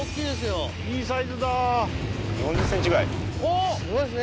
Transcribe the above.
おぉすごいですね！